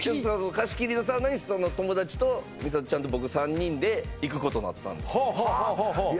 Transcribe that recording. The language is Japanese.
貸し切りのサウナにその友達とみさとちゃんと僕３人で行くことになったんですいや